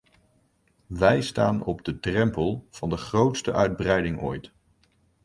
Wij staan op de drempel van de grootste uitbreiding ooit.